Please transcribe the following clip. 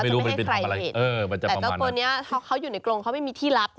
แต่ตัวกลุ่นนี้เขาอยู่ในกลงไม่มีที่ลับ